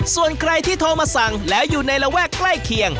ส่วนใครที่โทรมาสั่งแล้วอยู่ในระแวกใกล้เคียง